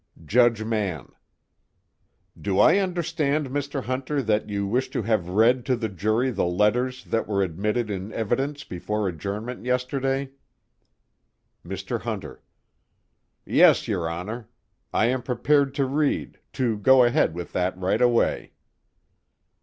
JUDGE MANN: Do I understand, Mr. Hunter, that you wish to have read to the jury the letters that were admitted in evidence before adjournment yesterday? MR. HUNTER: Yes, your Honor. I am prepared to read to go ahead with that right away.